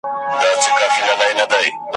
او په ګلڅانګو کي له تاکه پیمانې وي وني `